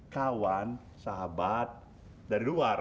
kawan sahabat dari luar